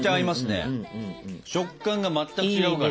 食感が全く違うから。